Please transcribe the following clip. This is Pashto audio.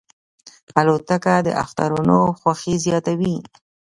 الوتکه د اخترونو خوښي زیاتوي.